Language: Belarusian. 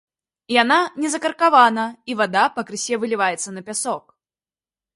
Яна не закаркавана, і вада пакрысе выліваецца на пясок.